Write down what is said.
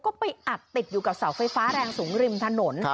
ก็ไปอัดติดอยู่กับเสาไฟฟ้าแรงสูงริมถนน